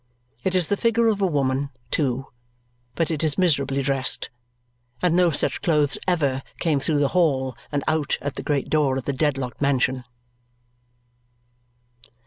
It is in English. It is the figure of a woman, too; but it is miserably dressed, and no such clothes ever came through the hall and out at the great door of the Dedlock mansion.